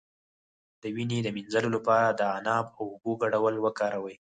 د وینې د مینځلو لپاره د عناب او اوبو ګډول وکاروئ